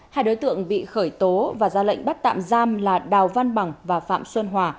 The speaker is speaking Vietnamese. hai đối tượng bị khởi tố và ra lệnh bắt tạm giam là đào văn bằng và phạm xuân hòa